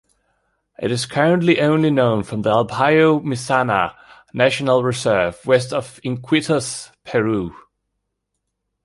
It is currently only known from the Allpahuayo-Mishana National Reserve, west of Iquitos, Peru.